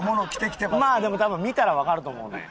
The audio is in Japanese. でも多分見たらわかると思うねん。